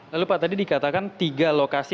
lalu pak tadi dikatakan tiga lokasi